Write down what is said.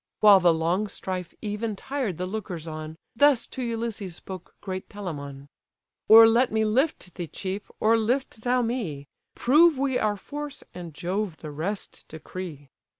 While the long strife even tired the lookers on, Thus to Ulysses spoke great Telamon: "Or let me lift thee, chief, or lift thou me: Prove we our force, and Jove the rest decree."